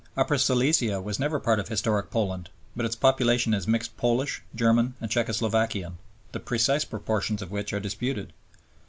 Upper Silesia was never part of historic Poland; but its population is mixed Polish, German, and Czecho Slovakian, the precise proportions of which are disputed.